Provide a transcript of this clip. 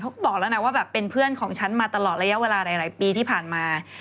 เขาบอกแล้วนะว่าแบบเป็นเพื่อนของฉันมาตลอดระยะเวลาหลายปีที่ผ่านมา